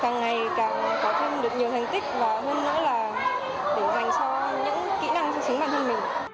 càng ngày càng có thêm được nhiều thành tích và hơn nữa là để dành cho những kỹ năng cho chính bản thân mình